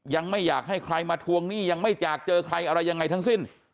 ยังไม่อยากให้ใครมาทวงหนี้ยังไม่อยากเจอใครอะไรยังไงทั้งสิ้น